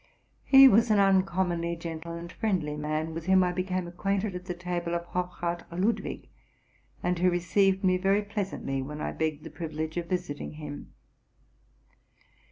He was an uncommonly gentle and friendly man, with whom I became acquainted at the table of Hofrath Ludwig, and who received me very pleasantly when I begged the privilege of visiting him.